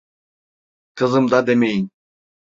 Kızım da demeyin…